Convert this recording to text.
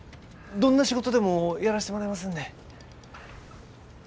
どんな仕事でもやらしてもらいますんで。